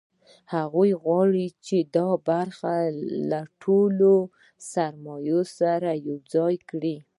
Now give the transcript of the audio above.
هغه غواړي چې دا برخه له ټولې سرمایې سره یوځای کړي